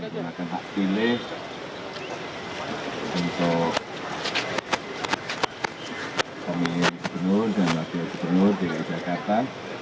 kita akan pilih untuk pemilihan gubernur dan pemilihan gubernur di jakarta